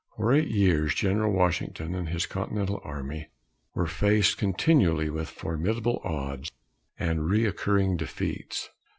For eight years, General Washington and his Continental Army were faced continually with formidable odds and recurring defeats.